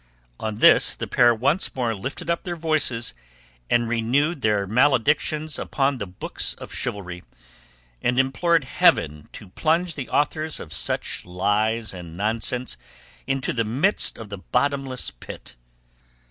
On this the pair once more lifted up their voices and renewed their maledictions upon the books of chivalry, and implored heaven to plunge the authors of such lies and nonsense into the midst of the bottomless pit.